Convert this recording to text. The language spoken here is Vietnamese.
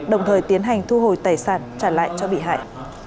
đồng thời tiến hành thu hồi tài sản trả lại cho bị hại